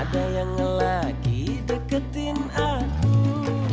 ada yang lagi deketin aku